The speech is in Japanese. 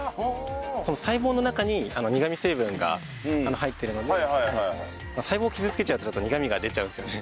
細胞の中に苦み成分が入ってるので細胞を傷つけちゃうと苦みが出ちゃうんですよね。